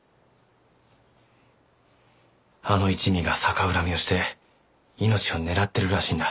あの一味が逆恨みをして命を狙ってるらしいんだ。